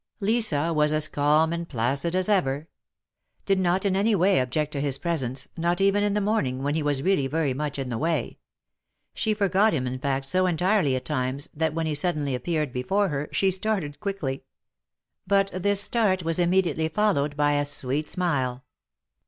Lisa was as calm and placid as ever ; did not in any way THE MARKETS OF PARIS. 83 object to his presence, not even in the morning, when he was really very much in the way. She forgot him in fact so entirely at times, that when he suddenly appeared before her, she started quickly; but this start was immediately followed by a sweet smile.